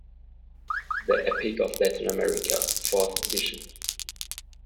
The Epic of Latin America, Fourth Edition.